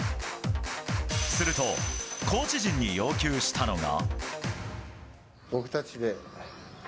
するとコーチ陣に要求したのが。